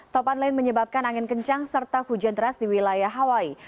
topan lain menyebabkan angin kencang serta hujan deras di wilayah hawaii